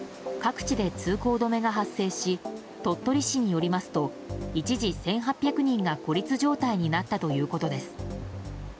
各地で通行止めが発生し鳥取市によりますと一時１８００人が孤立状態になったということです。